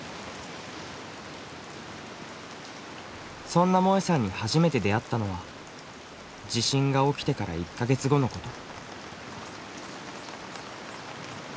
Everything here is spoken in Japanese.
そんなもえさんに初めて出会ったのは地震が起きてから１か月後のこと。